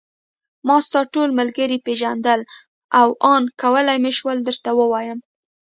ما ستا ټول ملګري پېژندل او آن کولای مې شول درته ووایم.